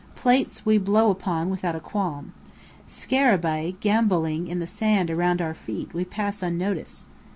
Plates, we blow upon without a qualm. Scarabei gambolling in the sand around our feet we pass unnoticed.